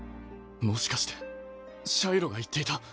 もしかしてシャイロが言っていた。